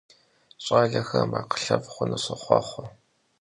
Ş'alexer malhxhef' xhunu soxhuaxhue!